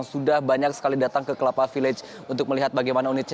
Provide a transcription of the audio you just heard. sudah banyak sekali datang ke kelapa village untuk melihat bagaimana unitnya